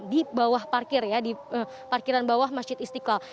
di bawah parkir ya di parkiran bawah masjid istiqlal